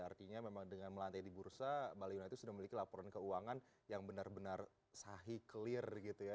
artinya memang dengan melantai di bursa bali united sudah memiliki laporan keuangan yang benar benar sahih clear gitu ya